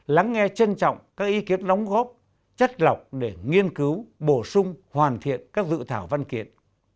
lắng nghe trân trọng các ý kiến đóng góp chất lọc để nghiên cứu bổ sung hoàn thiện các dự thảo văn kiện